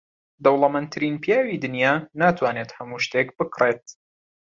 دەوڵەمەندترین پیاوی دنیا ناتوانێت هەموو شتێک بکڕێت.